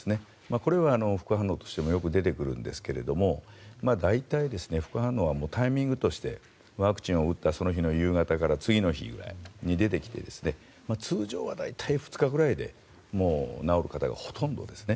これは副反応としてもよく出てくるんですけども大体、副反応はタイミングとしてワクチンを打ったその日の夕方から次の日に出てきて通常は、大体２日ぐらいで治る方がほとんどですね。